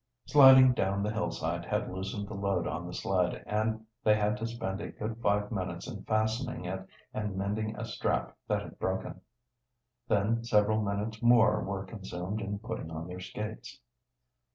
Sliding down the hillside had loosened the load on the sled, and they had to spend a good five minutes in fastening it and mending a strap that had broken. Then several minutes more were consumed in putting on their skates.